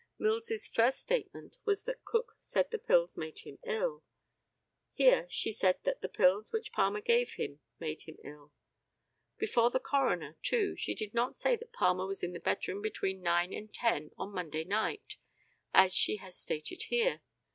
Mills's first statement was that Cook said the pills made him ill. Here she said that the pills which Palmer gave him made him ill. Before the coroner, too, she did not say that Palmer was in the bedroom between 9 and 10 on Monday night, as she has stated here.